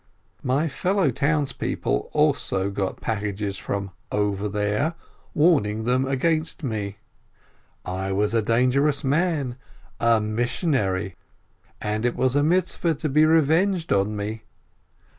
My fellow townspeople also got packages from "over there," warning them against me — I was a dangerous man, a missionary, and it was a Mitz veh to be revenged on me.